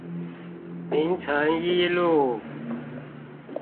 明誠一路